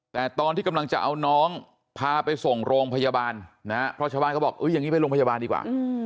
แต่ตอนที่กำลังจะเอาน้องพาไปส่งโรงพยาบาลนะฮะเพราะชาวบ้านเขาบอกอย่างนี้ไปโรงพยาบาลดีกว่า